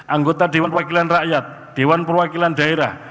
anggota dewan perwakilan rakyat dewan perwakilan daerah